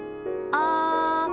「あ」。